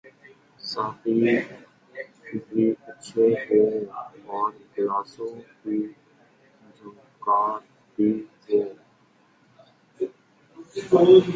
ساقی بھی اچھے ہوں اور گلاسوں کی جھنکار بھی ہو۔